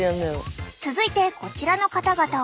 続いてこちらの方々は。